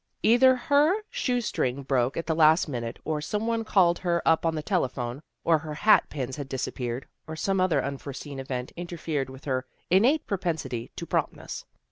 Either her shoe string broke at the last minute or some one called her up on the telephone, or her hat pins had disappeared, or some other unforeseen event interfered with her inate propensity to promptness.